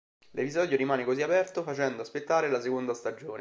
L'episodio rimane, così, aperto, facendo aspettare la seconda stagione...